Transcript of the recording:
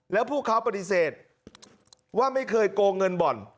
แล้วพวกเขาปฏิเสธว่าไม่เคยโกงเงินบ่อน